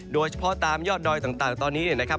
โดยเฉพาะตามยอดดอยต่างตอนนี้เนี่ยนะครับ